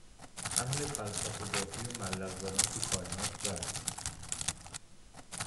اهلِ فلسفه بافی و ملق زدن تو کائنات و